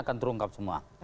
akan terbongkar semua